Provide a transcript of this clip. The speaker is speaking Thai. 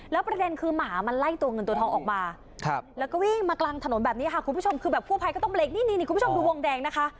แล้วประเด็นคือหมามันล่ะกูเหิลเตอะนะออกมาครับแล้วก็วิ่งมากลางถนนแบบนี้คุณผู้ชมคือแบบพวกภัยก็ต้องลึกดูวงแดงนะคะ